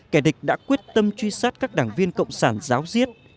kẻ địch đã quyết tâm truy sát các đảng viên cộng sản giáo diết